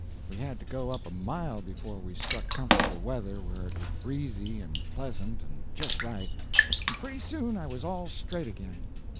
We had to go up a mile before we struck comfortable weather where it was breezy and pleasant and just right, and pretty soon I was all straight again.